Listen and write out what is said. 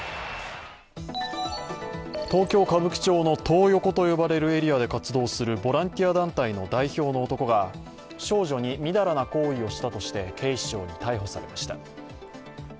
東京・歌舞伎町のトー横と呼ばれるエリアで活動するボランティア団体の代表の男が少女に淫らな行為をしたとして警視庁に逮捕されました。